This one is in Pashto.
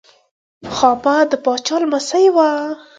خاما د پاچا لمسی و.